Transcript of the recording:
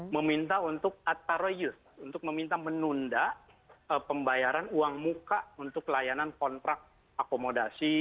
meminta untuk ataroyus untuk meminta menunda pembayaran uang muka untuk layanan kontrak akomodasi